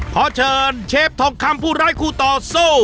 ขอเชิญเชฟทองคำผู้ร้ายคู่ต่อสู้